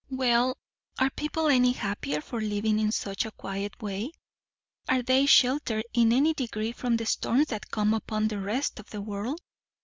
"Well, are people any happier for living in such a quiet way? Are they sheltered in any degree from the storms that come upon the rest of the world?